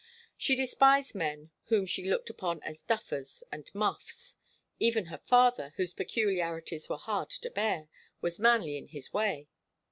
She despised men whom she looked upon as 'duffers' and 'muffs.' Even her father, whose peculiarities were hard to bear, was manly in his way.